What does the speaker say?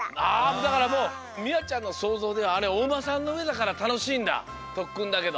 だからもうみあちゃんのそうぞうであれおうまさんのうえだからたのしいんだとっくんだけど。